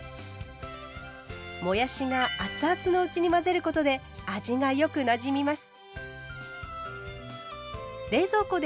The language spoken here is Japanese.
もやしが熱々のうちに混ぜることで味がよくなじみます。